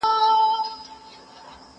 تا چي ول بالا به ميوه ارزانه وي باره ګرانه وه